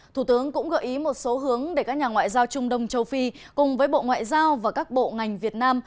thủ tướng cũng gợi ý một số hướng để các nhà ngoại giao trung đông châu phi cùng với bộ ngoại giao và các bộ ngành việt nam